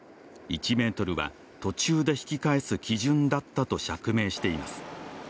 １ｍは途中で引き返す基準だったと釈明しています。